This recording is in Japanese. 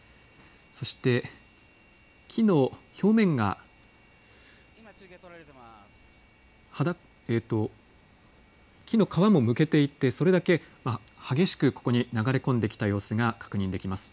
そして木の表面、木の皮もむけていて、それだけ激しくここに流れ込んできた様子が確認できます。